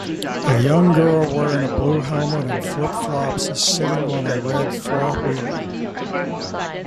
A young girl wearing a blue helmet and flipflops is sitting on a red fourwheeler